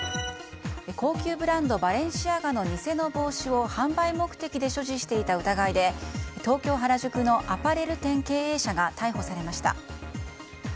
高級ブランドバレンシアガの偽の帽子を販売目的で所持していた疑いで東京・原宿のアパレル店経営者が逮捕されました。